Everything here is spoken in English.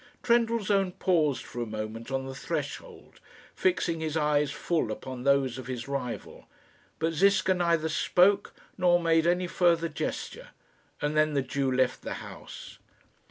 Trendellsohn paused for a moment on the threshold, fixing his eyes full upon those of his rival; but Ziska neither spoke nor made any further gesture, and then the Jew left the house.